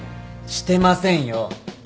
してませんよ！